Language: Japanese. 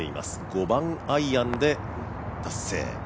５番アイアンで達成。